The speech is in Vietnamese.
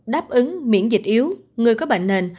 đáp ứng miễn dịch yếu người có bệnh nền